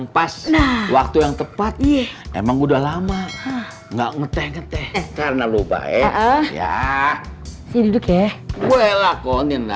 pas waktu yang tepat emang udah lama enggak karena lu baik ya